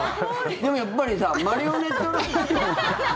でも、やっぱりさマリオネットライン。